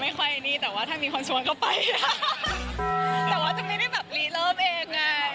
แต่ว่าจะมีในแบบรีเลิฟเอง